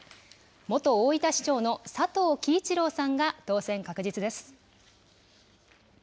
元大分市長の佐藤樹一郎さんが当選確実です。